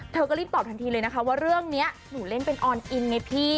เธอก็รีบตอบทันทีเลยนะคะว่าเรื่องนี้หนูเล่นเป็นออนอินไงพี่